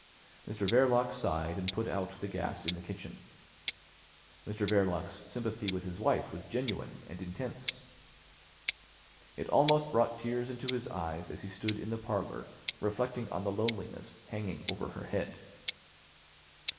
Mr Verloc sighed, and put out the gas in the kitchen. Mr Verloc's sympathy with his wife was genuine and intense. It almost brought tears into his eyes as he stood in the parlour reflecting on the loneliness hanging over her head.